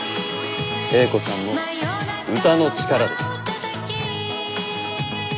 英子さんの歌の力です。